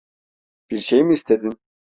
Bir şey mi istedin?